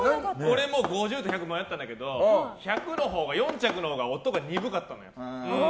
俺も５０と１００迷ったんだけど４着のほうが音が鈍かったのよ。